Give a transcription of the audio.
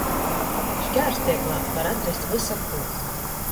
Škārsteiklā var atrast vysakū.